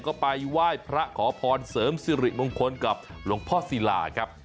ก็ไปไหว้พระขอพรเสริมสิริมงคลกับหลวงพ่อศิลาครับ